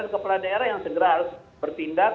dan kepala daerah yang segera harus bertindak